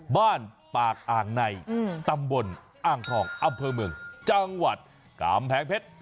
บ้านปากอ่างในตำบลอ่างทองอำเภอเมืองจังหวัดกำแพงเพชร